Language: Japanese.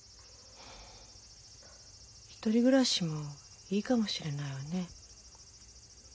１人暮らしもいいかもしれないわね。